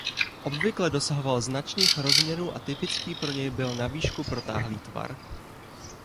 Obvykle dosahoval značných rozměrů a typický pro něj byl na výšku protáhlý tvar.